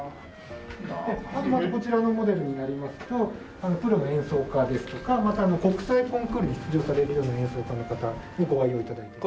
こちらのモデルになりますとプロの演奏家ですとか国際コンクールに出場されるような演奏家の方にご愛用頂いて。